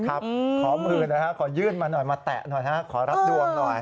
ขอมือเดี๋ยวนะครับขอยื่นมามาแตะหน่อยขอรับดวงหน่อย